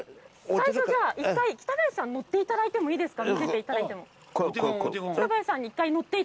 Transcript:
最初１回、北林さん、乗っていただいてもいいですか。